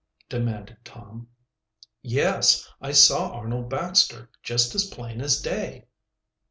demanded Tom. "Yes, I saw Arnold Baxter, just as plain as day."